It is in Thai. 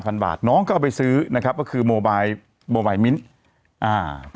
น้องเขาอาจจะไปซื้อนะครับว่าคือโมไบโมไบมิ้นต์